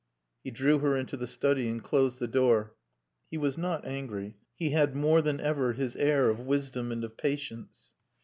He drew her into the study and closed the door. He was not angry. He had more than ever his air of wisdom and of patience.